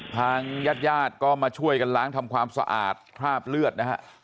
ทางญาติญาติก็มาช่วยกันล้างทำความสะอาดคราบเลือดนะฮะ